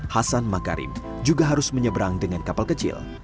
hasan makarim juga harus menyeberang dengan kapal kecil